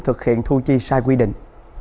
thực hiện thu chi sai quy định